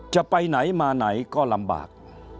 จะไปไหนมาไหนก็ลำบาก